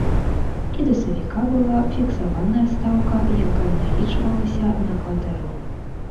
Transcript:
І да сакавіка была фіксаваная стаўка, якая налічвалася на кватэру.